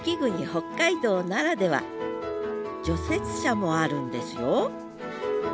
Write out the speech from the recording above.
北海道ならでは除雪車もあるんですよ。